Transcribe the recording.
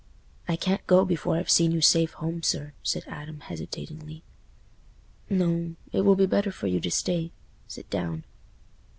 "I can't go before I've seen you safe home, sir," said Adam, hesitatingly. "No: it will be better for you to stay—sit down."